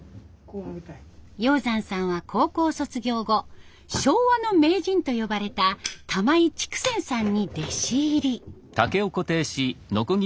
容山さんは高校卒業後昭和の名人と呼ばれた玉井竹仙さんに弟子入り。